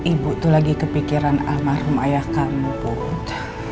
ibu tuh lagi kepikiran almarhum ayah kamu bud